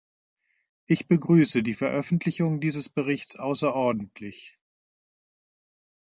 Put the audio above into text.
Ich begrüße die Veröffentlichung dieses Berichts außerordentlich.